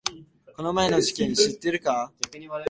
この前の事件知ってるか？